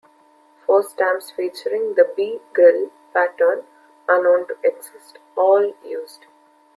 Four stamps featuring the "B grill" pattern are known to exist, all used.